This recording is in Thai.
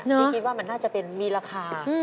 พี่คิดว่ามันน่าจะเป็นมีราคา